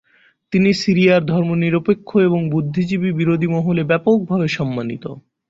তিনি সিরিয়ার ধর্মনিরপেক্ষ এবং বুদ্ধিজীবী বিরোধী মহলে ব্যাপকভাবে সম্মানিত।